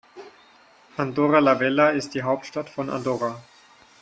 Andorra la Vella ist die Hauptstadt von Andorra.